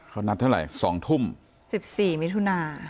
เขานัดเท่าไหร่๒ทุ่ม๑๔มิถุนา